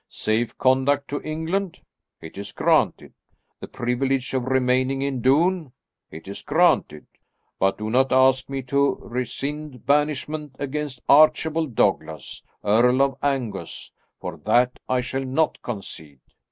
Safe conduct to England? It is granted. The privilege of remaining in Doune? It is granted. But do not ask me to rescind banishment against Archibald Douglas, Earl of Angus, for that I shall not concede.